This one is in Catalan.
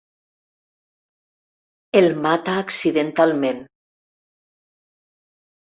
El mata accidentalment.